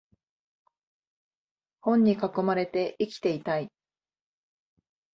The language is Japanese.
本に囲まれて生きていたい